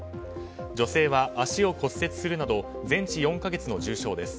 女性は足を骨折するなど全治４か月の重傷です。